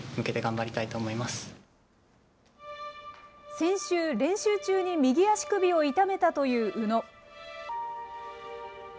先週、練習中に右足首を痛めたという宇野。